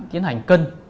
tiến hành cân